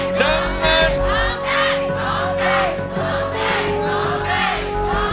น้องเก่งธุเก่งธุเก่ง